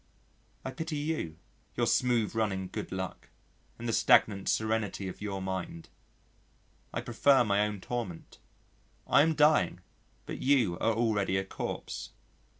I pity you your smooth running good luck and the stagnant serenity of your mind. I prefer my own torment. I am dying, but you are already a corpse.